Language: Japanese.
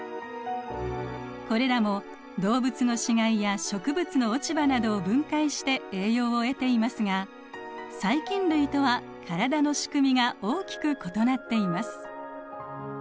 これらも動物の死骸や植物の落ち葉などを分解して栄養を得ていますが細菌類とは体の仕組みが大きく異なっています。